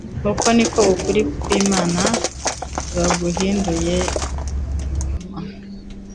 Uko niko ukuri kw’Imana baguhinduye ibinyoma,